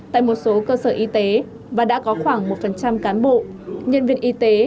tại một số cơ sở y tế và đã có khoảng một cán bộ nhân viên y tế